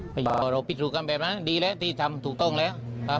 เราปิดสู่กันแบบนั้นดีแล้วที่ทำถูกต้องแล้ว